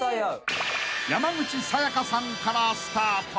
［山口紗弥加さんからスタート］